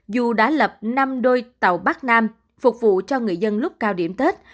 dù đã lập năm đôi tàu bắc nam phục vụ cho người dân lúc cao điểm tết